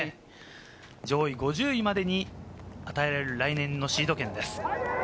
上位５０位までに与えられる来年のシード権です。